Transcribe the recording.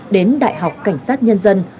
đến đại học cảnh sát nhân dân